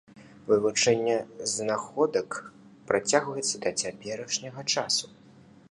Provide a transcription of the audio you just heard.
Вывучэнне знаходак працягваецца да цяперашняга часу.